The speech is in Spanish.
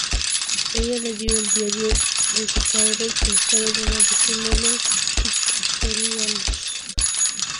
Ella le dio el diario de su padre, que estaba lleno de símbolos kryptonianos.